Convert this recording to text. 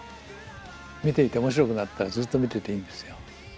見ていて面白くなったらずっと見てていいんですよ。